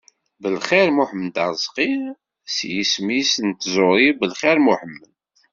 Belxir Muḥemmed Arezki, s yisem-is n tẓuri Belxir Muḥemmed.